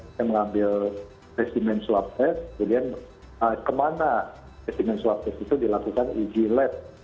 kita mengambil resimen swab test kemudian kemana resimen swab test itu dilakukan igled